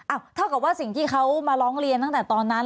เท่ากับว่าสิ่งที่เขามาร้องเรียนตั้งแต่ตอนนั้น